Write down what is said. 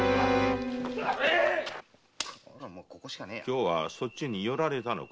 今日はそっちに寄られたのか？